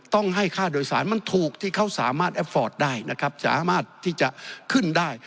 ต้องให้ค่าโดยสารมันถูกที่เขาสามารถแอฟฟอร์ตได้นะครับสามารถที่จะขึ้นได้